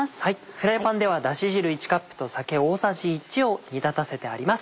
フライパンではだし汁１カップと酒大さじ１を煮立たせてあります。